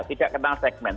tidak kenal segmen